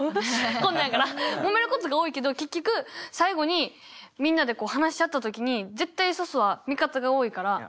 こんなんやからもめることが多いけど結局最後にみんなでこう話し合った時に絶対そそは味方が多いから。